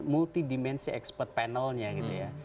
multi dimensi expert panelnya gitu ya